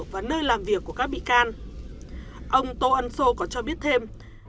và nơi làm việc của các bị can ông tô ân sô còn cho biết thêm